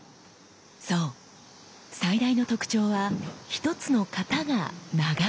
そう最大の特徴は一つの型が長いこと。